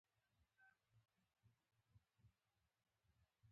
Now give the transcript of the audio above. یو ښه زده کوونکی لوست کوي.